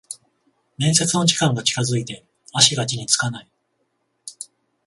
面接の時間が近づいて足が地につかない